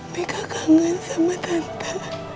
mereka kangen sama tante